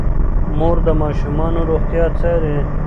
مور د ماشومانو روغتیا څاري.